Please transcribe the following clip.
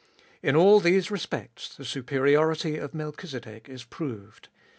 In all these respects the superiority of Melchizedek is proved.